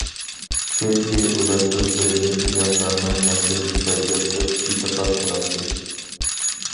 چۈنكى ئۇلار ئۆزلىرىنى ئىلاھلارنىڭ نەسلىدىن كەلگەن دەپ ئېتىقاد قىلاتتى.